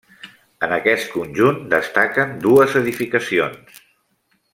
En aquest conjunt destaquen dues edificacions.